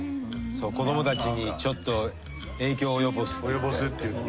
子どもたちにちょっと影響を及ぼすっていって。